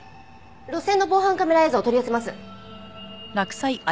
路線の防犯カメラ映像を取り寄せます。